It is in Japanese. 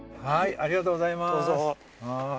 ありがとうございます。